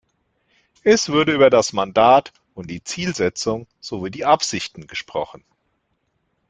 Es wurde über das Mandat und die Zielsetzungen sowie die Absichten gesprochen.